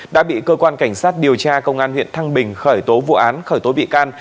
đã bị cơ quan cảnh sát điều tra công an huyện thăng bình khởi tố vụ án khởi tố bị can